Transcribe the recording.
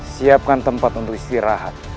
siapkan tempat untuk istirahat